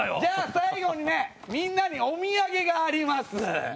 じゃあ最後にねみんなにお土産があります。